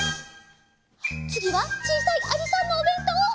つぎはちいさいありさんのおべんとう！